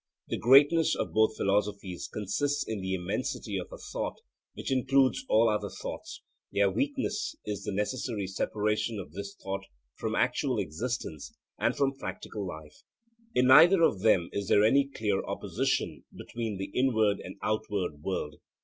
The greatness of both philosophies consists in the immensity of a thought which excludes all other thoughts; their weakness is the necessary separation of this thought from actual existence and from practical life. In neither of them is there any clear opposition between the inward and outward world.